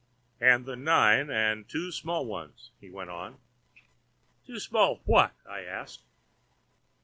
"And the nine and two small ones," he went on. "Two small what?" I asked.